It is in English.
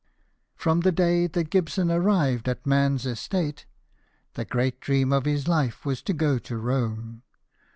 From the day that Gibson arrived at man's estate, the great dream of his life was to go to Rome.